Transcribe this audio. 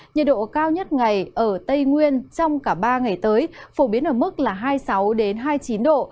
nhiệt độ cao nhất ngày ở tây nguyên trong cả ba ngày tới phổ biến ở mức hai mươi sáu hai mươi chín độ